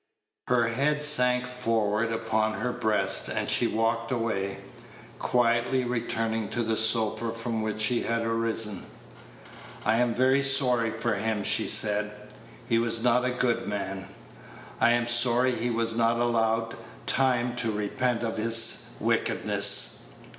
Her head sank forward upon her breast, and she walked away, quietly returning to the sofa from which she had arisen. "I am very sorry for him," she said; "he was not a good man. I am sorry he was not allowed time to repent of his wickedness."